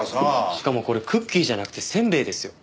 しかもこれクッキーじゃなくてせんべいですよ。